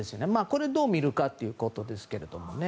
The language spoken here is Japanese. これをどう見るかということですけどね。